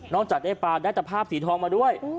จากได้ปลาได้ตะภาพสีทองมาด้วย